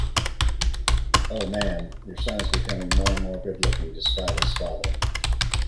Oh man, your son is becoming more and more good-looking despite his father